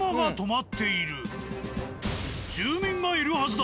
住民がいるはずだ。